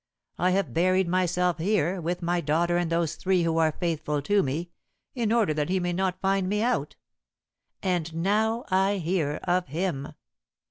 I have buried myself here, with my daughter and those three who are faithful to me, in order that he may not find me out. And now I hear of him.